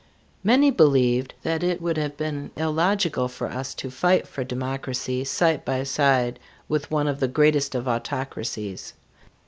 Many believed that it would have been illogical for us to fight for democracy side by side with one of the greatest of autocracies.